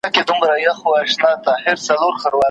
او د شلمي پېړۍ د درېیمي لسیزي